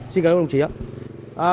xin cảm ơn đồng chí ạ